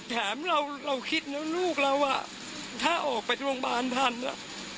แถมเราเราคิดนะลูกเราอ่ะถ้าออกไปทวงบานทันอ่ะ